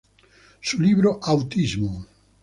Su libro "Autismo.